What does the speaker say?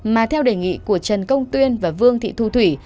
mà theo đề nghị của trần công tuyên và vương thị thu thủy